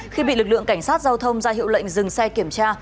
khi bị lực lượng cảnh sát giao thông ra hiệu lệnh dừng xe kiểm tra